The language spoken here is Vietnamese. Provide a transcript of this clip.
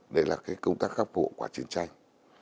đấy là công tác khắp hộ quả chiến tranh